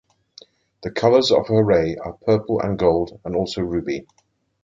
The colors of her Ray are purple and gold, and also ruby.